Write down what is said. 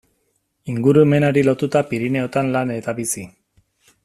Ingurumenari lotuta Pirinioetan lan eta bizi.